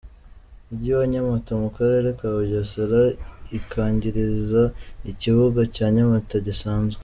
mujyi wa Nyamata mu karere ka Bugesera ikangiriza ikibuga cya Nyamata gisanzwe